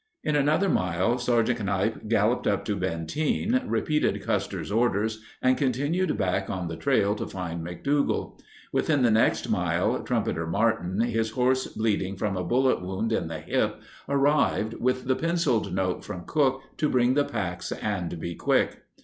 In another mile Sergeant Kanipe galloped up to Benteen, repeated Custer's orders, and continued back on the trail to find McDougall. Within the next mile Trumpeter Martin, his horse bleeding from a bullet wound in the hip, arrived with the penciled note from Cooke to bring the packs and be quick.